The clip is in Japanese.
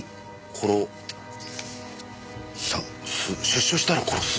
「出所したら殺す」。